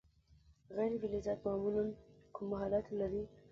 غیر فلزات معمولا کوم حالت لري.